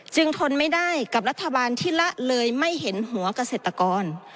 ทนไม่ได้กับรัฐบาลที่ละเลยไม่เห็นหัวเกษตรกร